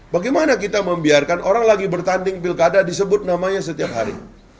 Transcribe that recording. bagaimana kita membiarkan orang lagi bertanding pilkada disebut namanya setiap hari